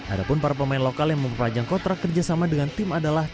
adapun para pemain lokal yang memperlajang kontrak kerjasama dengan tim adalah